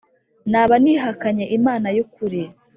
naba nihakanye Imana y ukuri